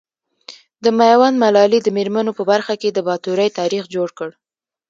د ميوند ملالي د مېرمنو په برخه کي د باتورئ تاريخ جوړ کړ .